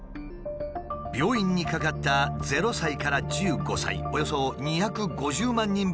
病院にかかった０歳から１５歳およそ２５０万人分のデータを分析。